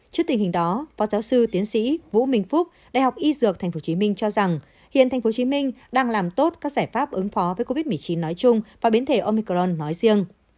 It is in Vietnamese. trước tình hình đó phó giáo sư tiến sĩ vũ minh phúc đại học y dược tp hcm cho rằng hiện tp hcm đang làm tốt các giải pháp ứng phó với covid một mươi chín nói chung và biến thể omicron nói riêng